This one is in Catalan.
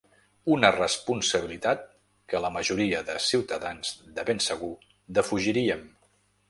Una responsabilitat que la majoria de ciutadans de ben segur defugiríem.